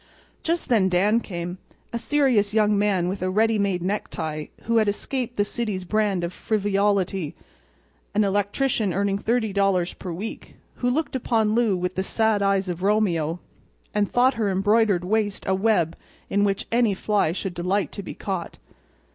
But just then Dan came—a serious young man with a ready made necktie, who had escaped the city's brand of frivolity—an electrician earning 30 dollars per week who looked upon Lou with the sad eyes of Romeo, and thought her embroidered waist a web in which any fly should delight to be caught.